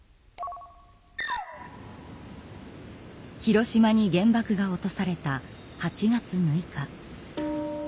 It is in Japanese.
広島に原爆が落とされた８月６日。